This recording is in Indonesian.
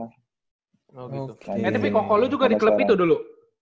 oh gitu eh tapi koko lu juga di club itu dulu